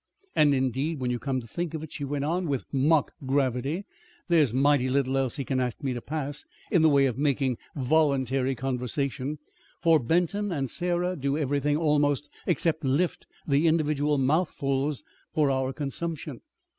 "And, indeed, when you come to think of it," she went on with mock gravity, "there's mighty little else he can ask me to pass, in the way of making voluntary conversation; for Benton and Sarah do everything almost, except lift the individual mouthfuls for our consumption."